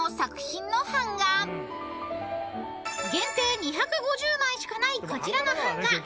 ［限定２５０枚しかないこちらの版画］